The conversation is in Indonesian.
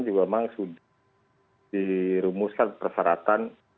juga memang sudah dirumuskan persyaratan